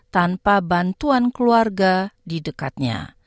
tanpa bantuan keluarga di dekatnya